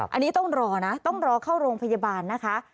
อันนี้ต้องรอนะต้องรอเข้าโรงพยาบาลนะคะ